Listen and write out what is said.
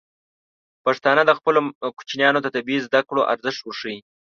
پښتانه بايد خپلو ماشومانو ته د طبي زده کړو ارزښت وښيي.